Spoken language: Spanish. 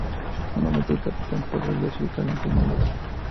Monumento del Capitán Pedro Lucio Escalante y Mendoza.